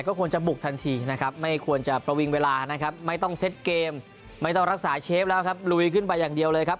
ก็ควรจะบุกทันทีนะครับไม่ควรจะประวิงเวลานะครับไม่ต้องเซ็ตเกมไม่ต้องรักษาเชฟแล้วครับลุยขึ้นไปอย่างเดียวเลยครับ